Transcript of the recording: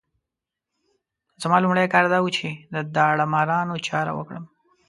زما لومړی کار دا وو چې د داړه مارانو چاره وکړم.